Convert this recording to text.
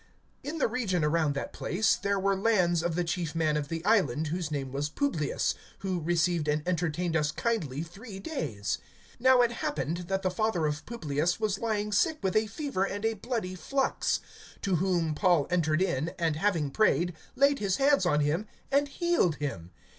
(7)In the region around that place, there were lands of the chief man of the island, whose name was Publius, who received and entertained us kindly three days. (8)Now it happened, that the father of Publius was lying sick with a fever and a bloody flux; to whom Paul entered in, and having prayed, laid his hands on him and healed him.